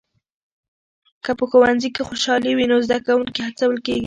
که په ښوونځي کې خوشالي وي نو زده کوونکي هڅول کېږي.